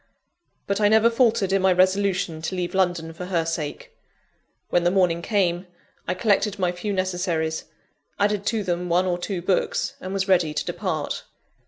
But I never faltered in my resolution to leave London for her sake. When the morning came, I collected my few necessaries, added to them one or two books, and was ready to depart.